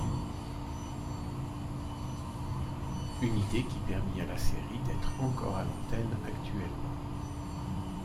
Une idée qui permit à la série d'être encore à l'antenne actuellement.